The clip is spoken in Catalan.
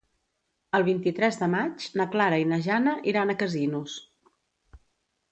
El vint-i-tres de maig na Clara i na Jana iran a Casinos.